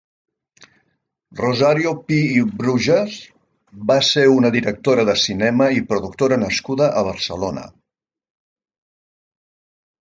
Rosario Pi i Brujas va ser una directora de cinema i productora nascuda a Barcelona.